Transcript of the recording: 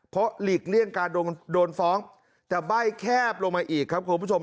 เพราะหลีกเลี่ยงการโดนฟ้องแต่ใบ้แคบลงมาอีกครับคุณผู้ชม